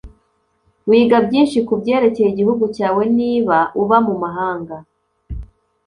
Wiga byinshi kubyerekeye igihugu cyawe niba uba mumahanga.